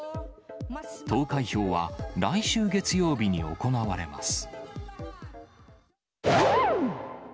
投開票は来週月曜日に行われます。